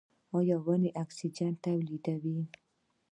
ایا ونې اکسیجن تولیدوي؟